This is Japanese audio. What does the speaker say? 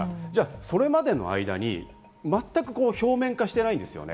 それまでの間に全く表面化していないんですよね。